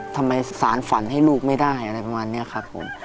สารฝันให้ลูกไม่ได้อะไรประมาณนี้ครับผม